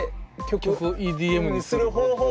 曲をＥＤＭにする方法！